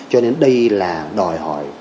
cho nên đây là đòi hỏi